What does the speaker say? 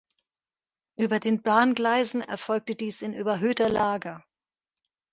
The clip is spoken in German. Über den Bahngleisen erfolgte dies in überhöhter Lage.